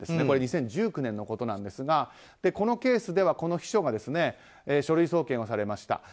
これ２０１９年のことなんですがこのケースではこの秘書が書類送検されました。